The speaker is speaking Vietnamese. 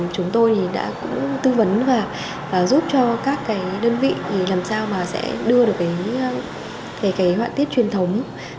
chúng tôi đã tư vấn và giúp cho các đơn vị làm sao mà sẽ đưa được hoạn tiết truyền thống